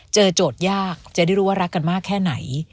โจทย์ยากจะได้รู้ว่ารักกันมากแค่ไหน